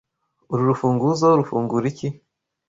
Uru rufunguzo rufungura iki?